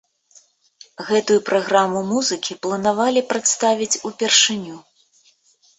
Гэтую праграму музыкі планавалі прадставіць упершыню.